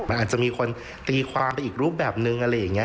มันอาจจะมีคนตีความไปอีกรูปแบบนึงอะไรอย่างนี้